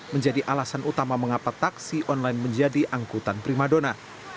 menjadi alasan utama mengapa taksi online menjadi angkutan primadona